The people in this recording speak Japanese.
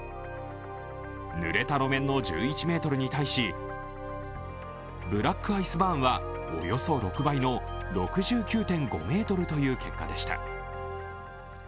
ぬれた路面の１１ｍに対しブラックアイスバーンはおよそ６倍の６９．５ｍという結果でした。